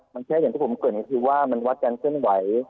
มันแค่อย่างที่ผมเกิดก็คือว่ามันวัดการเคลื่อนไหว